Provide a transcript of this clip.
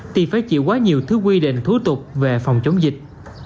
thì phải chịu quá nhiều thứ quy định thú tục về phòng chống dịch